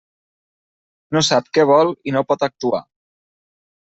No sap què vol i no pot actuar.